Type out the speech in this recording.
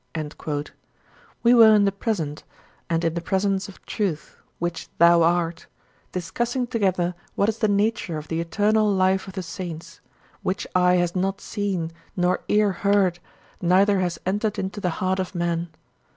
" We were in the present and in the presence of Truth (which thou art) discussing together what is the nature of the eternal life of the saints: which eye has not seen, nor ear heard, neither has entered into the heart of man.